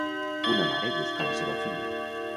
Una mare busca la seva filla.